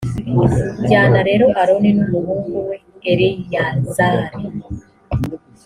jyana rero aroni n’umuhungu we eleyazari.